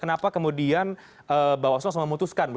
kenapa kemudian bawaslu harus memutuskan